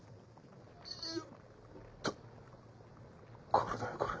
これだよこれ。